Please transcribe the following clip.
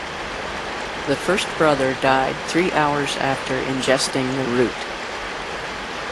The first brother died three hours after ingesting the root.